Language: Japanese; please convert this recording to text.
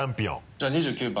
じゃあ２９番。